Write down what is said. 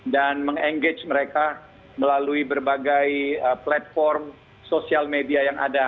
dan meng engage mereka melalui berbagai platform sosial media yang ada